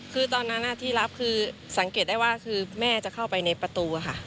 คือตอนนั้นที่รับคือสังเกตได้ว่าคือแม่จะเข้าไปในประตูค่ะ